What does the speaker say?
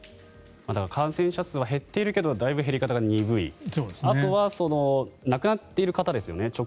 感染者数は減っているけどだいぶ減り方が鈍いあとは亡くなっている方ですよね。